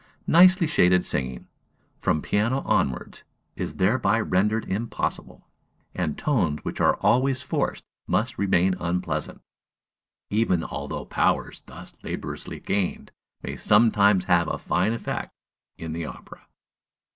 Nicely shaded singing, from piano onwards, is thereby rendered impossible; and tones which are always forced must remain unpleasant, even although powers thus laboriously gained may sometimes have a fine effect in the opera.